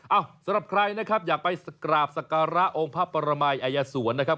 สำหรับใครนะครับอยากไปกราบสการะองค์พระปรมัยอายสวนนะครับ